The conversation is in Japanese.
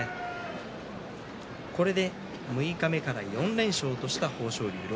六日目から４連勝とした豊昇龍。